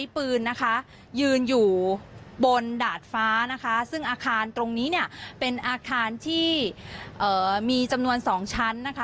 เป็นชั้นดาดฟ้านะคะซึ่งอาคารตรงนี้เนี่ยเป็นอาคารที่มีจำนวน๒ชั้นนะคะ